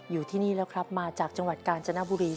อยู่ที่นี่แล้วครับมาจากจังหวัดกาญจนบุรี